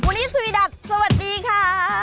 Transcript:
บุรีสุวิดักษ์สวัสดีค่ะ